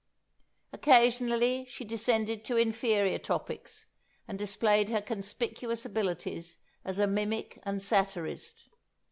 Occasionally she descended to inferior topics, and displayed her conspicuous abilities as a mimic and satirist.